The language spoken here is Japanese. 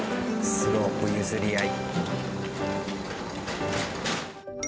スロープ譲り合い。